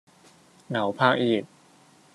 牛柏葉